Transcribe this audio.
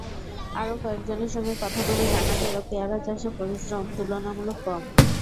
আরও কয়েকজনের সঙ্গে কথা বলে জানা গেল, পেয়ারা চাষে পরিশ্রম তুলনামূলক কম।